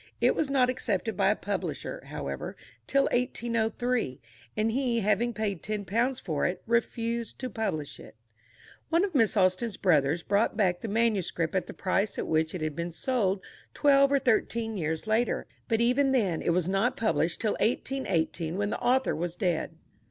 It was not accepted by a publisher, however, till 1803; and he, having paid ten pounds for it, refused to publish it. One of Miss Austen's brothers bought back the manuscript at the price at which it had been sold twelve or thirteen years later; but even then it was not published till 1818, when the author was dead.